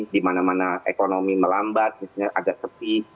di mana mana ekonomi melambat misalnya agak sepi